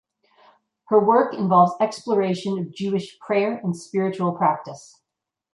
Her work involves exploration of Jewish prayer and spiritual practice.